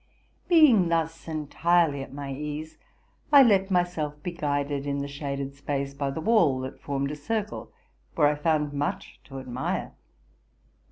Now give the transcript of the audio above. Being thus entirely at my ease, I let myself be guided in the shaded space by the wall, that formed a circle, where I found much to admire.